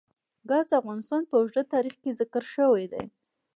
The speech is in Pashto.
ګاز د افغانستان په اوږده تاریخ کې ذکر شوی دی.